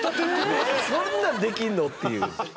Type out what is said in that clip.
そんなんできんの？っていう。